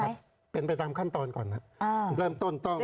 ครับเป็นไปตามขั้นตอนก่อนครับเริ่มต้นต้อง